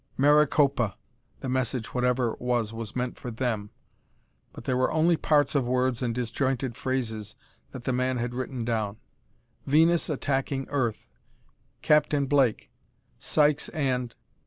"Maricopa" the message, whatever it was, was meant for them, but there were only parts of words and disjointed phrases that the man had written down "Venus attacking Earth ... Captain Blake ... Sykes and...."